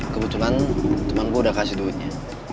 kebetulan teman gue udah kasih duitnya